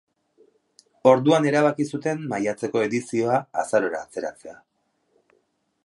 Orduan erabaki zuten maiatzeko edizioa azarora atzeratzea.